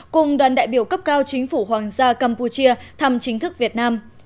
cùng đoàn đại biểu cấp cao chính phủ hoàng gia campuchia thăm chính thức việt nam